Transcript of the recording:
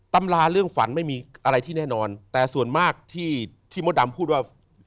ตำราเรื่องฝันไม่มีอะไรที่แน่นอนแต่ส่วนมากที่ที่มดดำพูดว่า